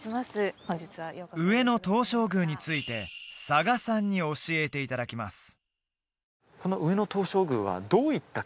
上野東照宮について嵯峨さんに教えていただきます